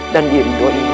dan diri dua ini